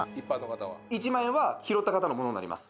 １万円は拾った方のものになります。